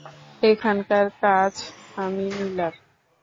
এখানকার কাজ আমি মিলার?